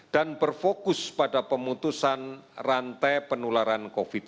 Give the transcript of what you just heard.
dan berfokus pada pemutusan rantai penularan covid sembilan belas